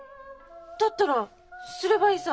だったらすればいいさぁ。